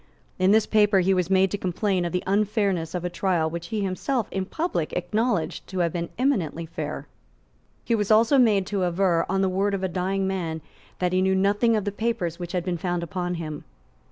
In this paper he was made to complain of the unfairness of a trial which he had himself in public acknowledged to have been eminently fair. He was also made to aver, on the word of a dying man, that he knew nothing of the papers which had been found upon him.